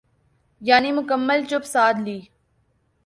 یعنی مکمل چپ سادھ لی۔